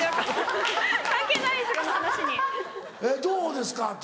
どうですか？